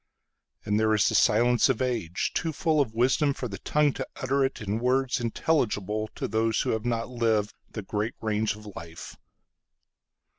And there is the silence of age, Too full of wisdom for the tongue to utter itIn words intelligible to those who have not livedThe great range of life.